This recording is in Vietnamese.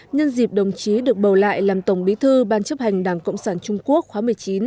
nhân dịp đồng chí được bầu lại làm tổng bí thư ban chấp hành đảng cộng sản trung quốc khóa một mươi chín